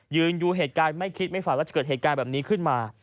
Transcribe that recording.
ยืนดูเหตุการณ์ไม่คิดไม่ฝันว่าจะเกิดเหตุการณ์แบบนี้ขึ้นมา